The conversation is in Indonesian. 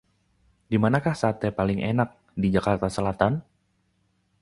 Dimanakah sate paling enak di Jakarta Selatan?